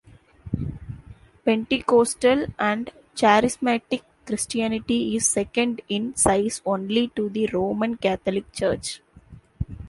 Pentecostal and Charismatic Christianity is second in size only to the Roman Catholic Church.